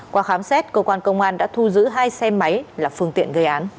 qua khám xét cơ quan công an đã thu giữ hai xe máy là phương tiện gây án